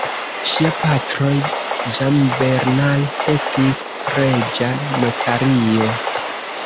Ŝia patro, Jean Bernard, estis reĝa notario.